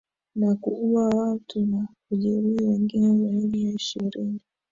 na kuua watu na kujeruhi wengine zaidi ya ishirini